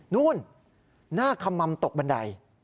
นู่นหน้าขมัมตกบันได